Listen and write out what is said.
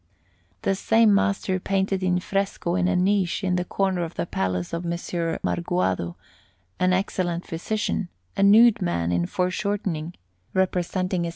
The same master painted in fresco in a niche on a corner of the Palace of M. Marguando, an excellent physician, a nude man in foreshortening, representing a S.